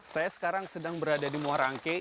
saya sekarang sedang berada di muarangke